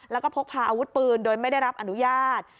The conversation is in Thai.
แล้วก็พกพาอาวุธปืนโดยไม่ได้รับอนุญาต